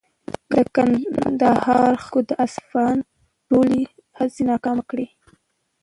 د کندهار خلکو د اصفهان ټولې هڅې ناکامې کړې.